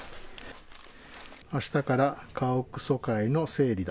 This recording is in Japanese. あしたから家屋疎開の整理だ。